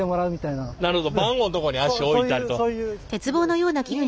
なるほど番号のとこに足置いたりと。